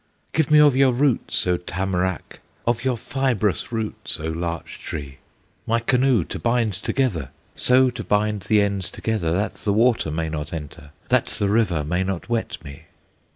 "Give me of your roots, O Tamarack! Of your fibrous roots, O Larch tree! My canoe to bind together, So to bind the ends together That the water may not enter, That the river may not wet me!"